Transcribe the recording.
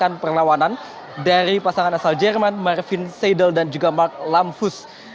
dan di sini juga ada pertandingan dari pasangan asal jerman marvin seidel dan juga mark lampus